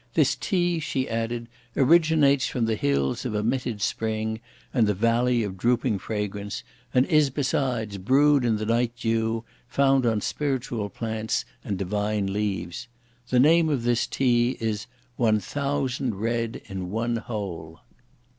"This tea," she added, "originates from the Hills of Emitted Spring and the Valley of Drooping Fragrance, and is, besides, brewed in the night dew, found on spiritual plants and divine leaves. The name of this tea is 'one thousand red in one hole.'"